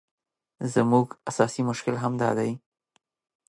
زموږ اساسي مشکل همدا دی.